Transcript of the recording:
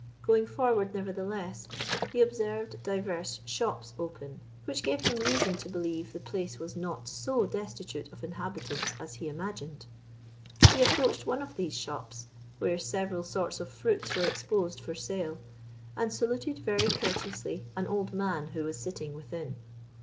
Going forward, nevertheless, he observed divers shops open, which gave him reason to believe the place was not so destitute of inhabitants as he imagined. He approached one of these shops, where several sorts of fruits were exposed for sale, and saluted very courteously an old man who was sitting within.